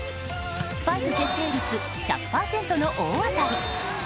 スパイク決定率１００％の大当たり。